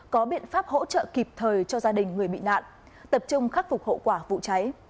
có biện pháp hỗ trợ kịp thời cho gia đình người bị nạn tập trung khắc phục hậu quả vụ cháy